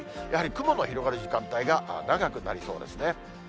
やはり雲が広がる時間帯が長くなりそうですね。